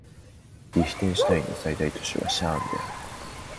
リヒテンシュタインの最大都市はシャーンである